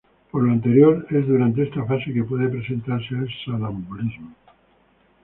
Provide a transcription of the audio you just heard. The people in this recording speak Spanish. Por lo anterior, es durante esta fase que puede presentarse el sonambulismo.